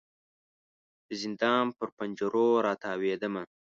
د زندان پر پنجرو را تاویدمه